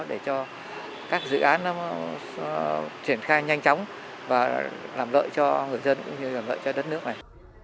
để cho các dự án nó triển khai nhanh chóng và làm lợi cho người dân cũng như là lợi cho đất nước này